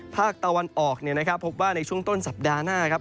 ภาคตะวันออกพบว่าในช่วงต้นสัปดาห์หน้าครับ